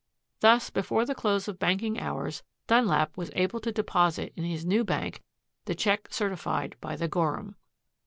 Thus before the close of banking hours Dunlap was able to deposit in his new bank the check certified by the Gorham.